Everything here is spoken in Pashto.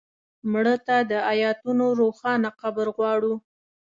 مړه ته د آیتونو روښانه قبر غواړو